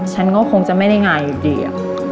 ฉันก็คงจะไม่ได้งานอยู่ดี